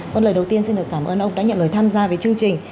con lời đầu tiên xin được cảm ơn ông đã nhận lời tham gia với chương trình